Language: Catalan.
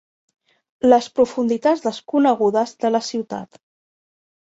Les profunditats desconegudes de la ciutat